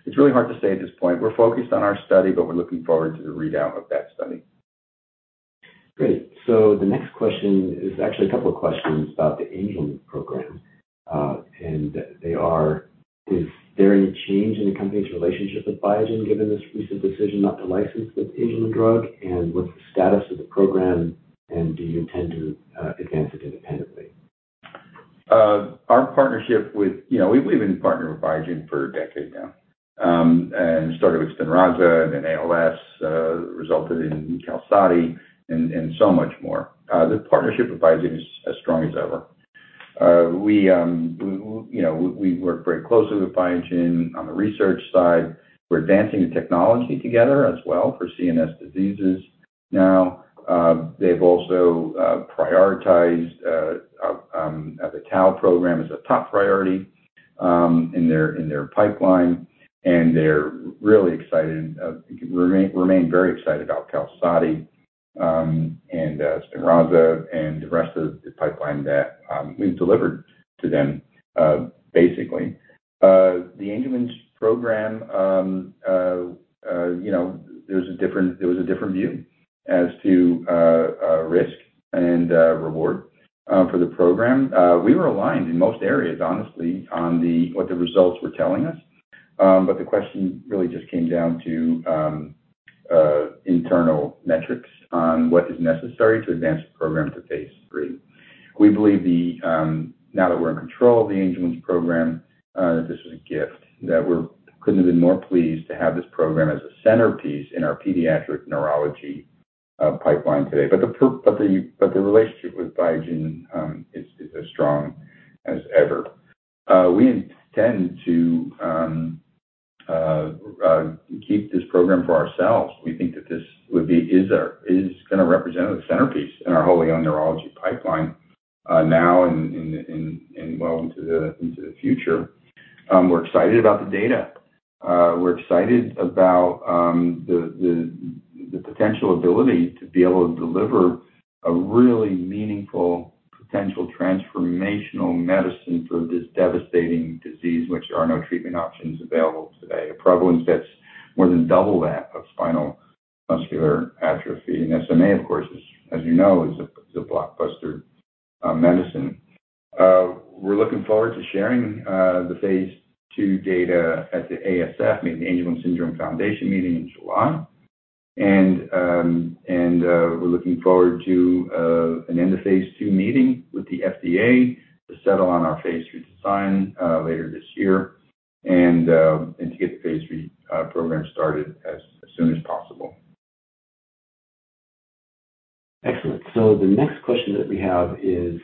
it's really hard to say at this point. We're focused on our study, but we're looking forward to the readout of that study. Great. So the next question is actually a couple of questions about the Angelman program. And they are: Is there any change in the company's relationship with Biogen, given this recent decision not to license the Angelman drug? And what's the status of the program, and do you intend to advance it independently? Our partnership with... You know, we've been partnered with Biogen for a decade now, and started with SPINRAZA, and then ALS resulted in QALSODY and so much more. The partnership with Biogen is as strong as ever. We, you know, we work very closely with Biogen on the research side. We're advancing the technology together as well for CNS diseases now. They've also prioritized the tau program as a top priority in their pipeline, and they're really excited, remain very excited about QALSODY and SPINRAZA and the rest of the pipeline that we've delivered to them, basically. The Angelman program, you know, there was a different view as to risk and reward for the program. We were aligned in most areas, honestly, on what the results were telling us. But the question really just came down to internal metrics on what is necessary to advance the program to Phase III. We believe, now that we're in control of the Angelman's program, this was a gift, that we're couldn't have been more pleased to have this program as a centerpiece in our pediatric neurology pipeline today. But the relationship with Biogen is as strong as ever. We intend to keep this program for ourselves. We think that this would be, is a, is going to represent a centerpiece in our wholly owned neurology pipeline, now and well into the future. We're excited about the data. We're excited about the potential ability to be able to deliver a really meaningful, potential transformational medicine for this devastating disease, which there are no treatment options available today. A prevalence that's more than double that of spinal muscular atrophy, and SMA, of course, as you know, is a blockbuster medicine. We're looking forward to sharing the phase II data at the ASF meeting, the Angelman Syndrome Foundation meeting in July. We're looking forward to an end-of-phase II meeting with the FDA to settle on our phase III design later this year, and to get the phase III program started as soon as possible. Excellent. So the next question that we have is,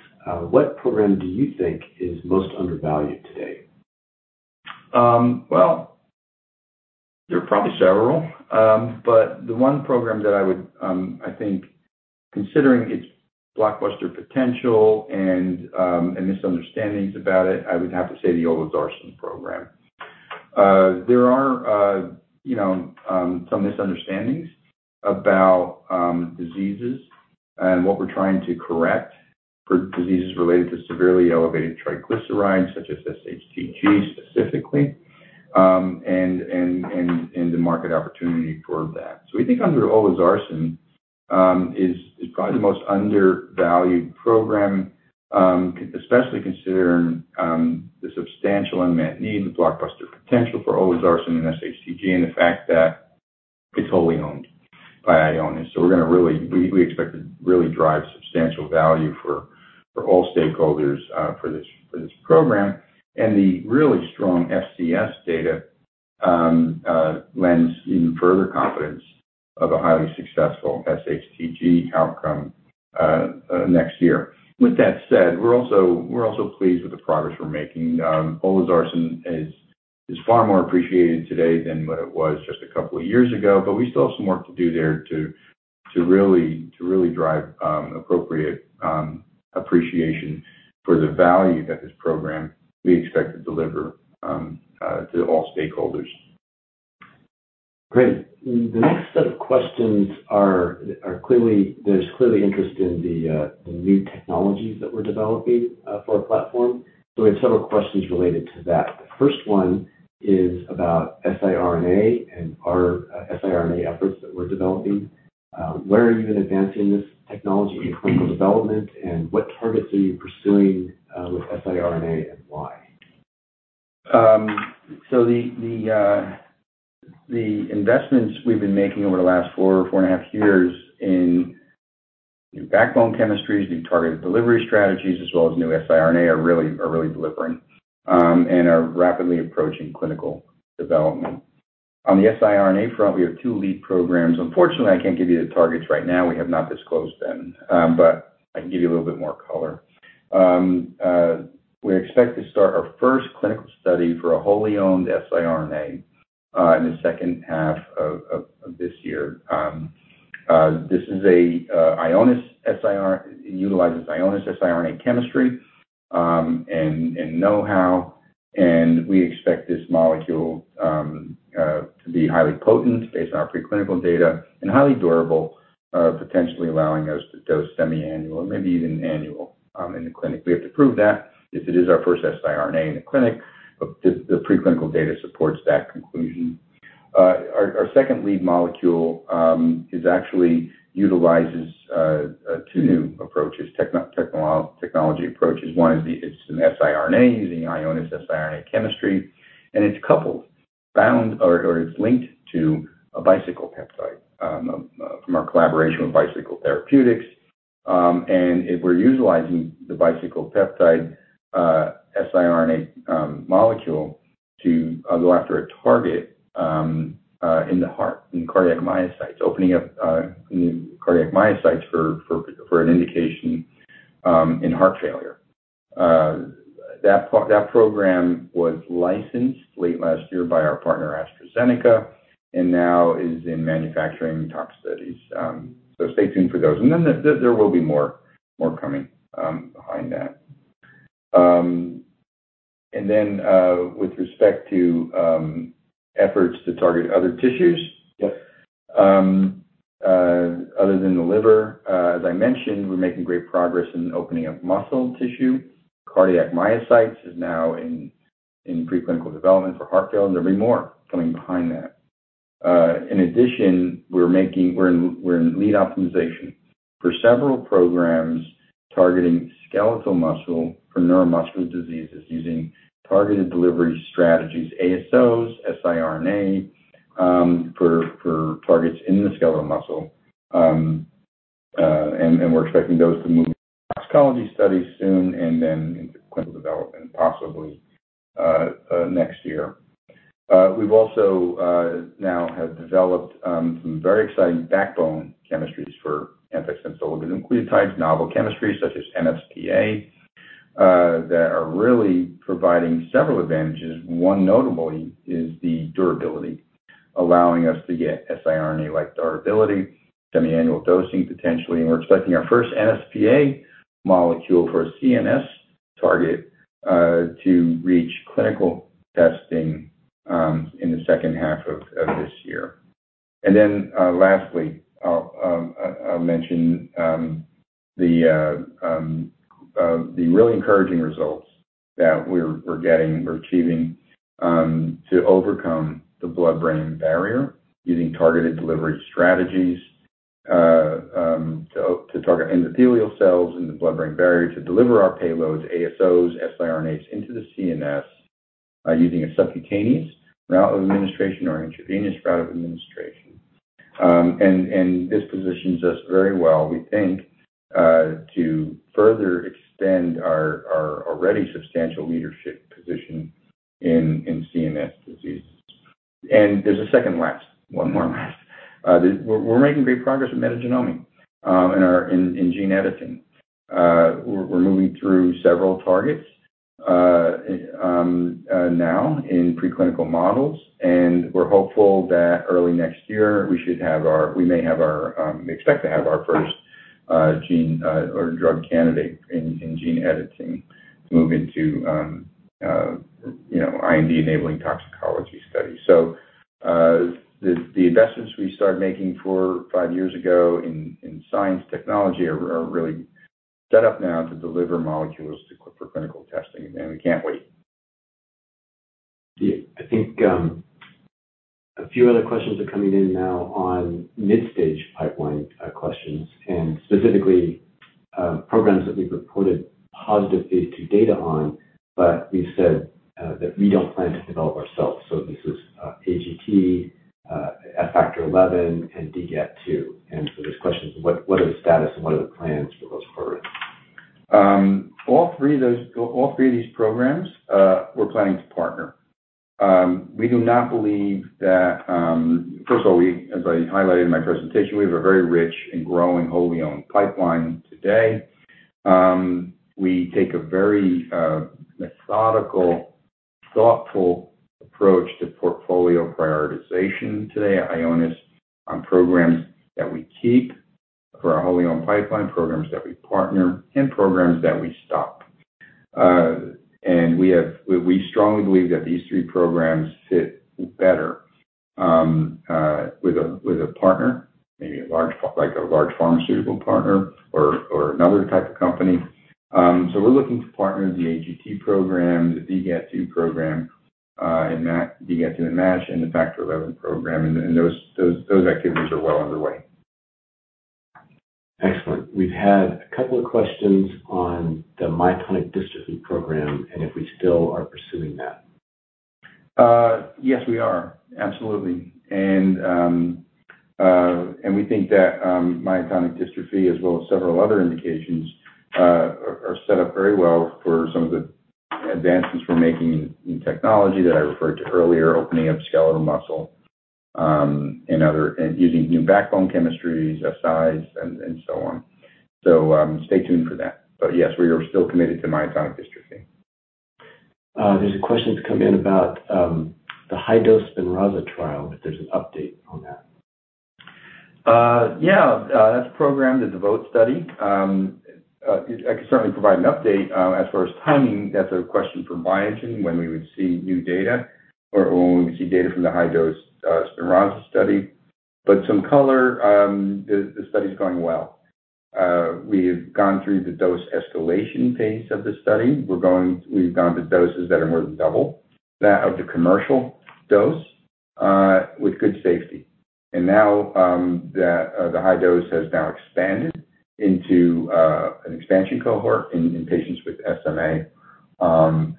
what program do you think is most undervalued today? Well, there are probably several. But the one program that I would, I think considering its blockbuster potential and, and misunderstandings about it, I would have to say the olezarsen program. There are, you know, some misunderstandings about, diseases and what we're trying to correct for diseases related to severely elevated triglycerides, such as SHTG specifically, and the market opportunity for that. So we think under olezarsen, is probably the most undervalued program, especially considering, the substantial unmet need, the blockbuster potential for olezarsen and SHTG, and the fact that it's wholly owned by Ionis. So we're going to really we expect to really drive substantial value for all stakeholders, for this program. The really strong SCS data lends even further confidence of a highly successful SHTG outcome next year. With that said, we're also pleased with the progress we're making. Olezarsen is far more appreciated today than what it was just a couple of years ago, but we still have some work to do there to really drive appropriate appreciation for the value that this program we expect to deliver to all stakeholders. Great. The next set of questions are clearly. There's clearly interest in the new technologies that we're developing for our platform. So we have several questions related to that. The first one is about siRNA and our siRNA efforts that we're developing. Where are you in advancing this technology in clinical development, and what targets are you pursuing with siRNA and why? So the investments we've been making over the last four and a half years in new backbone chemistries, new targeted delivery strategies, as well as new siRNA, are really delivering and are rapidly approaching clinical development. On the siRNA front, we have two lead programs. Unfortunately, I can't give you the targets right now. We have not disclosed them, but I can give you a little bit more color. We expect to start our first clinical study for a wholly owned siRNA in the second half of this year. This is a Ionis siRNA utilizes Ionis siRNA chemistry and know-how, and we expect this molecule to be highly potent based on our preclinical data and highly durable, potentially allowing us to dose semiannual or maybe even annual in the clinic. We have to prove that, as it is our first siRNA in the clinic, but the preclinical data supports that conclusion. Our second lead molecule is actually utilizes two new approaches, technology approaches. One is the, it's an siRNA using Ionis siRNA chemistry, and it's coupled, bound, or, or it's linked to a Bicycle peptide, from our collaboration with Bicycle Therapeutics. And if we're utilizing the Bicycle peptide, siRNA, molecule to go after a target in the heart, in cardiac myocytes, opening up new cardiac myocytes for an indication in heart failure. That program was licensed late last year by our partner, AstraZeneca, and now is in manufacturing tox studies. So stay tuned for those. And then there will be more coming behind that. And then, with respect to efforts to target other tissues other than the liver, as I mentioned, we're making great progress in opening up muscle tissue. Cardiac myocytes is now in preclinical development for heart failure, and there'll be more coming behind that. In addition, we're in lead optimization for several programs targeting skeletal muscle for neuromuscular diseases, using targeted delivery strategies, ASOs, siRNA, for targets in the skeletal muscle. And we're expecting those to move to toxicology studies soon and then into clinical development, possibly next year. We've also now have developed some very exciting backbone chemistries for antisense oligonucleotides, novel chemistries, such as MsPA, that are really providing several advantages. One notably is the durability, allowing us to get siRNA-like durability, semiannual dosing, potentially, and we're expecting our first MsPA molecule for a CNS target to reach clinical testing in the second half of this year. Then, lastly, I'll mention the really encouraging results that we're getting, we're achieving, to overcome the blood-brain barrier using targeted delivery strategies to target endothelial cells in the blood-brain barrier to deliver our payloads, ASOs, siRNAs, into the CNS using a subcutaneous route of administration or intravenous route of administration. And this positions us very well, we think, to further extend our already substantial leadership position in CNS diseases. And there's a second last, one more last. We're making great progress in metagenomics in our gene editing. We're moving through several targets now in preclinical models, and we're hopeful that early next year, we should have our—we may have our, we expect to have our first gene or drug candidate in gene editing to move into, you know, IND-enabling toxicology studies. So, the investments we started making 4-5 years ago in science technology are really set up now to deliver molecules for clinical testing, and we can't wait. Yeah. I think, a few other questions are coming in now on mid-stage pipeline questions, and specifically, programs that we've reported positive phase 2 data on, but we've said, that we don't plan to develop ourselves. So this is, AGT, Factor XI, and DGAT2. And so this question is: What, what are the status and what are the plans for those programs? All three of those—all three of these programs, we're planning to partner. We do not believe that... First of all, we, as I highlighted in my presentation, we have a very rich and growing wholly owned pipeline today. We take a very, methodical, thoughtful approach to portfolio prioritization today at Ionis on programs that we keep for our wholly owned pipeline, programs that we partner, and programs that we stop. And we have—we, we strongly believe that these three programs fit better, with a, with a partner, maybe a large, like, a large pharmaceutical partner or, or another type of company. So we're looking to partner the AGT program, the DGAT2 program, and that DGAT and MASH, and the factor XI program, and, and those, those, those activities are well underway. Excellent. We've had a couple of questions on the myotonic dystrophy program, and if we still are pursuing that?... Yes, we are. Absolutely. And we think that myotonic dystrophy, as well as several other indications, are set up very well for some of the advances we're making in technology that I referred to earlier, opening up skeletal muscle and other... And using new backbone chemistries, size, and so on. So, stay tuned for that. But yes, we are still committed to myotonic dystrophy. There's a question that's come in about the high-dose SPINRAZA trial, if there's an update on that. Yeah, that's programmed, the DEVOTE study. I can certainly provide an update. As far as timing, that's a question for Biogen, when we would see new data or when we would see data from the high-dose SPINRAZA study. But some color, the study's going well. We've gone through the dose escalation phase of the study. We've gone to doses that are more than double that of the commercial dose, with good safety. And now, the high dose has now expanded into an expansion cohort in patients with SMA.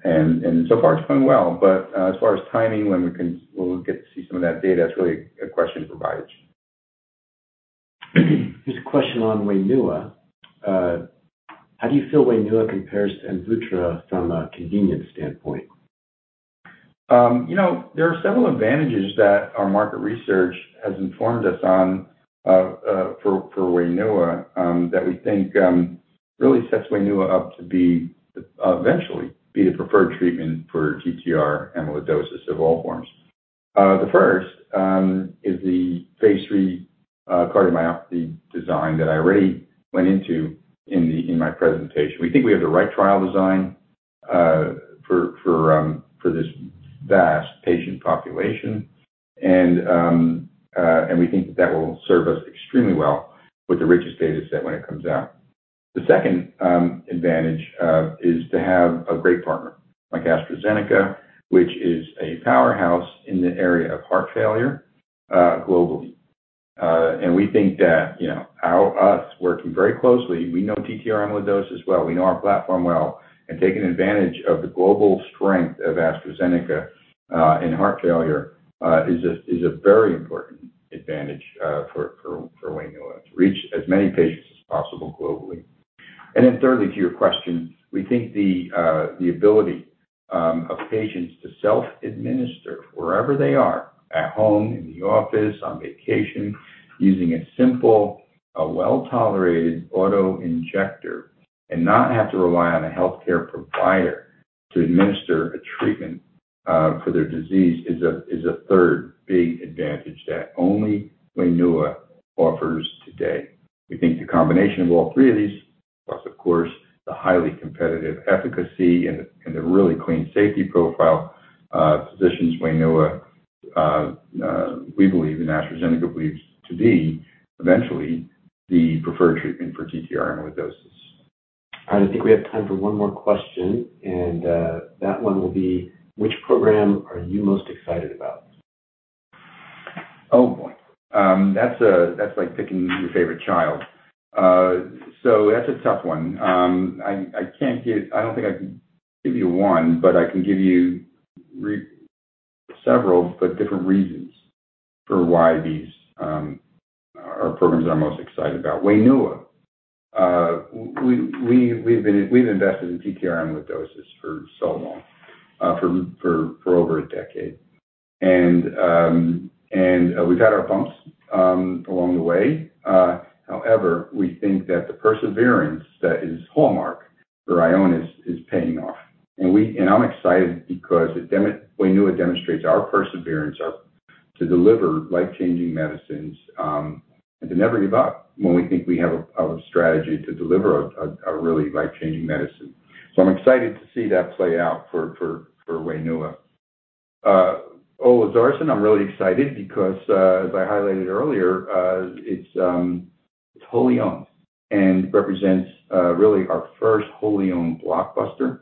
And so far it's going well. But as far as timing, when we'll get to see some of that data, it's really a question for Biogen. There's a question on WAINUA. How do you feel WAINUA compares to Amvuttra from a convenience standpoint? You know, there are several advantages that our market research has informed us on for WAINUA that we think really sets WAINUA up to be the eventually be the preferred treatment for TTR amyloidosis of all forms. The first is the phase III cardiomyopathy design that I already went into in my presentation. We think we have the right trial design for this vast patient population. And we think that will serve us extremely well with the richest data set when it comes out. The second advantage is to have a great partner, like AstraZeneca, which is a powerhouse in the area of heart failure globally. And we think that, you know, us working very closely, we know TTR amyloidosis well, we know our platform well, and taking advantage of the global strength of AstraZeneca in heart failure is a very important advantage for WAINUA to reach as many patients as possible globally. And then thirdly, to your question, we think the ability of patients to self-administer wherever they are, at home, in the office, on vacation, using a simple, well-tolerated auto-injector, and not have to rely on a healthcare provider to administer a treatment for their disease is a third big advantage that only WAINUA offers today. We think the combination of all three of these, plus of course, the highly competitive efficacy and the and the really clean safety profile positions WAINUA, we believe and AstraZeneca believes to be eventually the preferred treatment for TTR amyloidosis. I think we have time for one more question, and that one will be: Which program are you most excited about? Oh, boy! That's like picking your favorite child. So that's a tough one. I can't give... I don't think I can give you one, but I can give you several but different reasons for why these are programs that I'm most excited about. WAINUA. We've invested in TTR amyloidosis for so long, for over a decade. And we've had our bumps along the way. However, we think that the perseverance that is hallmark for Ionis is paying off. And I'm excited because WAINUA demonstrates our perseverance are to deliver life-changing medicines, and to never give up when we think we have a strategy to deliver a really life-changing medicine. So I'm excited to see that play out for WAINUA. Olezarsen, I'm really excited because, as I highlighted earlier, it's wholly owned and represents really our first wholly owned blockbuster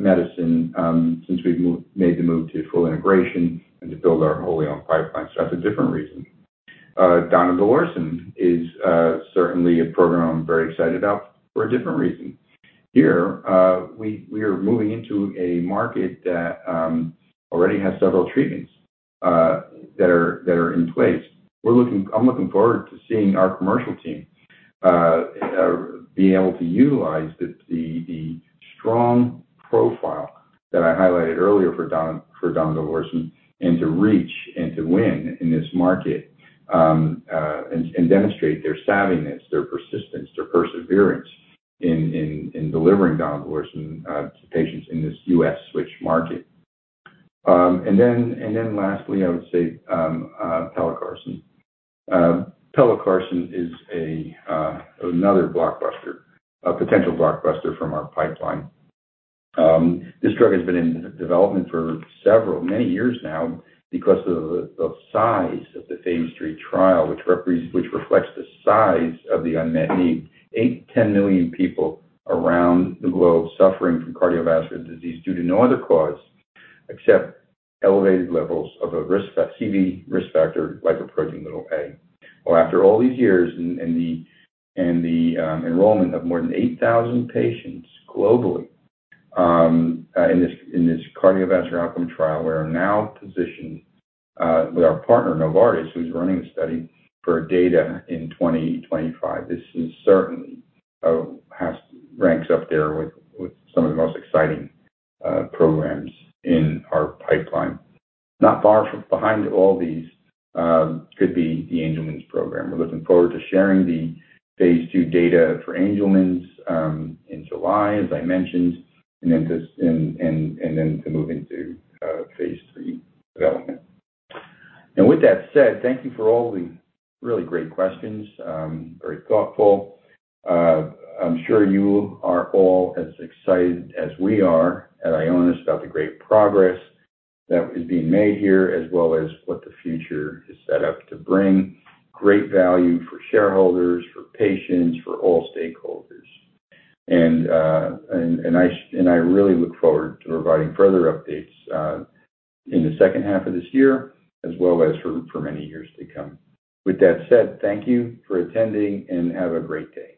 medicine since we've made the move to full integration and to build our wholly owned pipeline. So that's a different reason. Donidalorsen is certainly a program I'm very excited about for a different reason. Here, we are moving into a market that already has several treatments that are in place. I'm looking forward to seeing our commercial team being able to utilize the strong profile that I highlighted earlier for donidalorsen, and to reach and to win in this market, and demonstrate their savviness, their persistence, their perseverance in delivering donidalorsen to patients in this U.S. HAE market. Then lastly, I would say, pelacarsen. Pelacarsen is another blockbuster, a potential blockbuster from our pipeline. This drug has been in development for several many years now because of the size of the phase III trial, which reflects the size of the unmet need. 8-10 million people around the globe suffering from cardiovascular disease due to no other cause, except elevated levels of a CV risk factor, lipoprotein(a). Well, after all these years and the enrollment of more than 8,000 patients globally, in this cardiovascular outcome trial, we are now positioned with our partner, Novartis, who's running the study, for data in 2025. This is certainly ranks up there with some of the most exciting programs in our pipeline. Not far from behind all these could be the Angelman’s program. We're looking forward to sharing the phase II data for Angelman’s in July, as I mentioned, and then to move into phase III development. And with that said, thank you for all the really great questions. Very thoughtful. I'm sure you are all as excited as we are at Ionis about the great progress that is being made here, as well as what the future is set up to bring. Great value for shareholders, for patients, for all stakeholders. And I really look forward to providing further updates in the second half of this year, as well as for many years to come. With that said, thank you for attending, and have a great day.